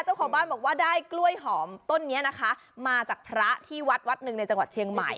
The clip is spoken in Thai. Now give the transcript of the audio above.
เจ้าของบ้านบอกว่าได้กล้วยหอมต้นนี้นะคะมาจากพระที่วัดวัดหนึ่งในจังหวัดเชียงใหม่